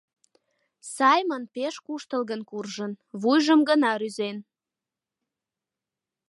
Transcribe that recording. Сайман пеш куштылгын куржын, вуйжым гына рӱзен.